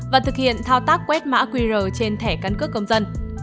và thực hiện thao tác quét mã qr trên thẻ căn cước công dân